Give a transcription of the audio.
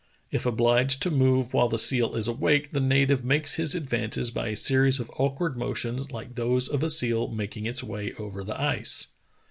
If obliged to move while the seal is awake, the native makes his advances by a series of awkward motions Hke those of a seal making its way over the ice.